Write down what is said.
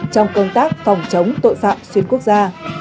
trong công tác phòng chống tội phạm xuyên quốc gia